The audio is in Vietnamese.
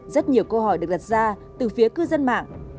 rất nhiều câu hỏi được đặt ra từ phía cư dân mạng